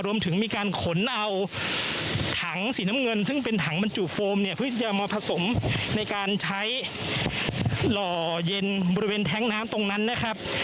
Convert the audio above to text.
รวมถึงมีการขนเอาถังสีน้ำเงินซึ่งเป็นถังบรรจุโฟมเนี่ยเพื่อที่จะมาผสมในการใช้หล่อเย็นบริเวณแท้งน้ำตรงนั้นนะครับ